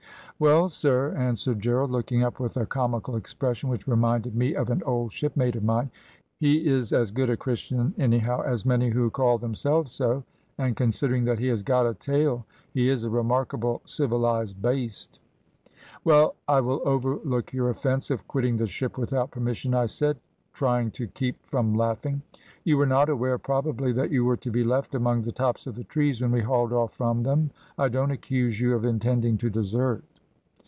"`Well, sir,' answered Gerald, looking up with a comical expression, which reminded me of an old shipmate of mine, `he is as good a Christian, any how, as many who call themselves so, and considering that he has got a tail he is a remarkable civilised baste.' "`Well, I will overlook your offence of quitting the ship without permission,' I said, trying to keep from laughing. `You were not aware probably that you were to be left among the tops of the trees when we hauled off from them? I don't accuse you of intending to desert.'